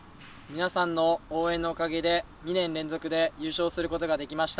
皆さんの応援のおかげで２年連続で優勝することができました。